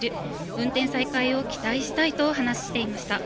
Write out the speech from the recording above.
運転再開を期待したいと話していました。